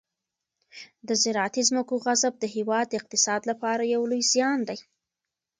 د زراعتي ځمکو غصب د هېواد د اقتصاد لپاره یو لوی زیان دی.